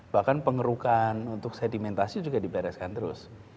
bahkan pengerukan untuk sedimentasi juga dibereskan terus